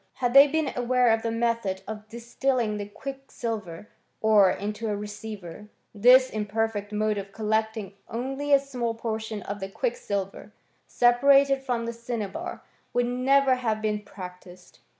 Had they been aware of the method of distilling the quicksilver ore into a receiver, this imperfect mode of collecting only a small portion of the quicksilver, separated from the cinnabar, would never have been practised.